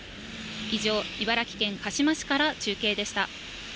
以上、茨城県鹿嶋市から中継でした。